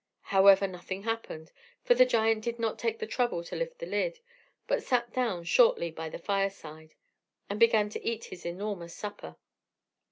However, nothing happened; for the giant did not take the trouble to lift up the lid, but sat down shortly by the fireside, and began to eat his enormous supper.